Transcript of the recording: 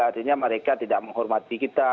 artinya mereka tidak menghormati kita